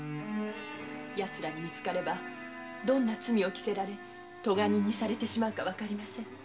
やつらにみつかればどんな罪を着せられ咎人にされてしまうかわかりません。